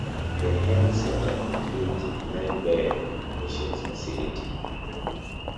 The Healthcare Centre includes a nine bed in-patients' facility.